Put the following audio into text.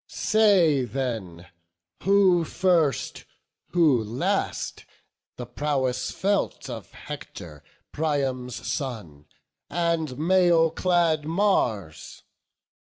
Say then who first, who last, the prowess felt Of Hector, Priam's son, and mail clad Mars?